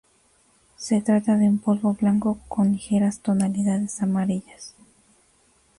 Se trata de un polvo blanco con ligeras tonalidades amarillas.